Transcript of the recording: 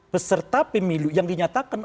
peserta pemilu yang dinyatakan